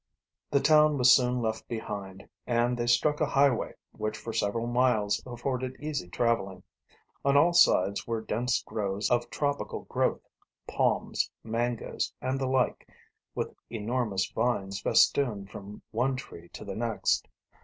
The town was soon left behind and they struck a highway which for several miles afforded easy traveling. On all sides were dense groves of tropical growth, palms, mangoes, and the like, with enormous vines festooned from one tree to the next.